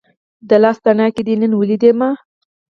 د لاس تڼاکې دې نن ولیدې ما